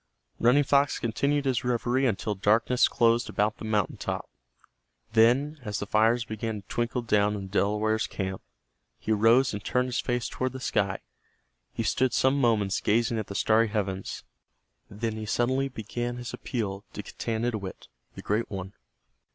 Running Fox continued his reveries until darkness closed about the mountain top. Then, as the fires began to twinkle down in the Delaware camp, he rose and turned his face toward the sky. He stood some moments gazing at the starry heavens. Then he suddenly began his appeal to Getanittowit, the Great One.